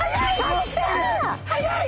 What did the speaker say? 早い！